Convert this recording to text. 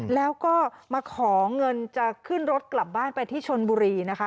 แล้วก็มาขอเงินจะขึ้นรถกลับบ้านไปที่ชนบุรีนะคะ